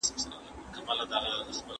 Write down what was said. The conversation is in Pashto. ډېر ږدن او پاڼي ولي له کړکۍ څخه راغلي دي؟